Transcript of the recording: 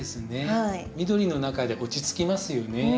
緑の中で落ち着きますよね。